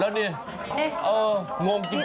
แล้วนี่งงจริง